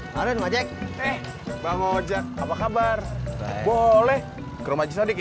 maafin majek eh bang ojek apa kabar boleh ke rumah jodoh ya